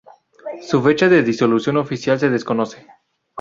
Su fecha de disolución oficial se desconoce.